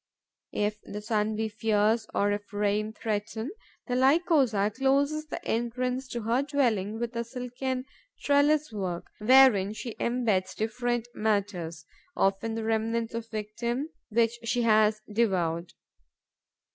If the sun be fierce or if rain threaten, the Lycosa closes the entrance to her dwelling with a silken trellis work, wherein she embeds different matters, often the remnants of victims which she has devoured.